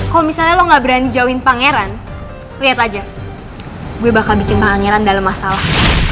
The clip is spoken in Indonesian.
kalau misalnya lo gak berani jauhin pangeran lihat aja gue bakal bikin pangeran dalam masalah